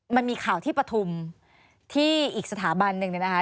มันมีข่าวที่ปฐุมที่อีกสถาบันหนึ่งเนี่ยนะคะ